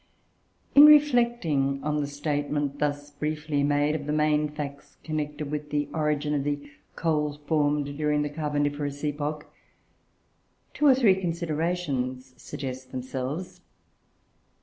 In reflecting on the statement, thus briefly made, of the main facts connected with the origin of the coal formed during the carboniferous epoch, two or three considerations suggest themselves.